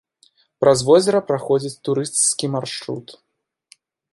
Праз возера праходзіць турысцкі маршрут.